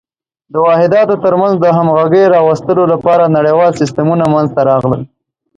د واحداتو تر منځ د همغږۍ راوستلو لپاره نړیوال سیسټمونه منځته راغلل.